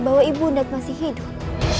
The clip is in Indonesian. bahwa ibunda masih hidup